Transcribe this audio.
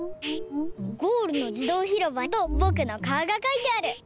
ゴールのじどうひろばとぼくのかおがかいてある！